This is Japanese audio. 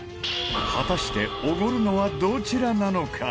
果たしてオゴるのはどちらなのか？